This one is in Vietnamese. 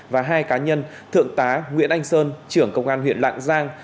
và hai cá nhân thượng tá nguyễn anh sơn trưởng công an huyện lạng giang